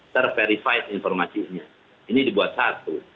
seri seri informasinya ini dibuat satu